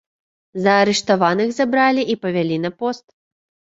Заарыштаваных забралі і павялі на пост.